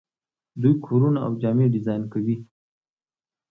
دوی کورونه او جامې ډیزاین کوي.